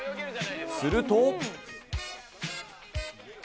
すると。